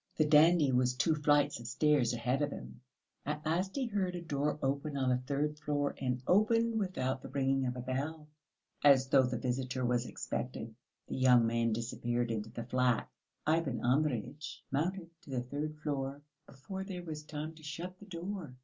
The dandy was two flights of stairs ahead of him. At last he heard a door opened on the third floor, and opened without the ringing of a bell, as though the visitor was expected. The young man disappeared into the flat. Ivan Andreyitch mounted to the third floor, before there was time to shut the door.